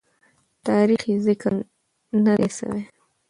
تاریخ یې ذکر نه دی سوی.